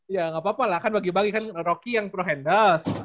ya gak apa apa lah kan bagi bagi kan rocky yang pro handels